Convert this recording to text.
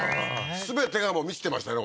全てが満ちてましたね